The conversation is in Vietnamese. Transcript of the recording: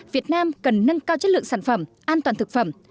việt nam cần nâng cao chất lượng sản phẩm an toàn thực phẩm